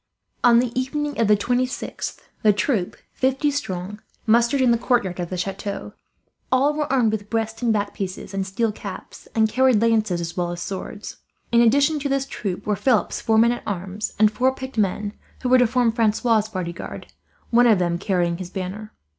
On the evening of the 26th the troop, fifty strong, mustered in the courtyard of the chateau. All were armed with breast and back pieces, and steel caps, and carried lances as well as swords. In addition to this troop were Philip's four men at arms; and four picked men who were to form Francois' bodyguard, one of them carrying his banner.